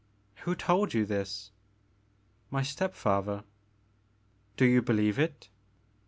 '' '•Who told you this?" " My step father." " Do you believe it